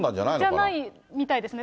じゃないですみたいですね。